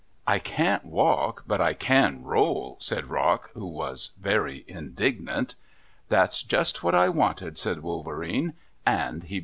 "I can't walk, but I can roll," said Rock, who was very indignant. "That's just what I wanted," said Wolverene, and he began to run.